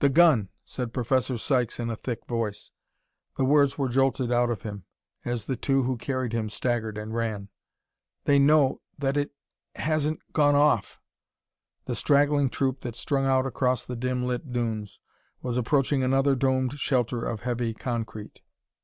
"The gun!" said Professor Sykes in a thick voice: the words were jolted out of him as the two who carried him staggered and ran. "They know that it hasn't gone off "The straggling troop that strung out across the dim lit dunes was approaching another domed shelter of heavy concrete.